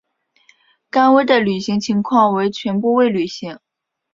甘薇的履行情况为全部未履行。